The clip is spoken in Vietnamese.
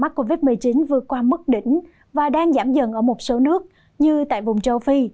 nhiều nước mất đỉnh và đang giảm dần ở một số nước như tại vùng châu phi